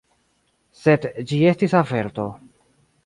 Sed ĝi estis averto.